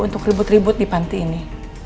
untuk ribut ribut di panti ini